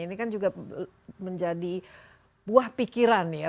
ini kan juga menjadi buah pikiran ya